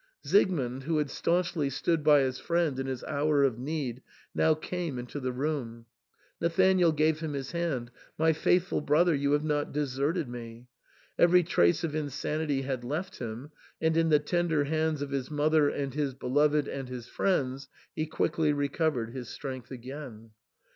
Siegmund, who had staunchly stood by his friend in his hour of need, now came into the room. Nathanael gave him his hand —" My faith ful brother, you have not deserted me." Every trace of insanity had left him, and in the tender hands of his mother and his beloved, and his friends, he quickly re covered his strength again.